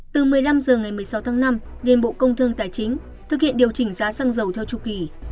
từ một mươi năm h ngày một mươi sáu tháng năm liên bộ công thương tài chính thực hiện điều chỉnh giá xăng dầu theo chu kỳ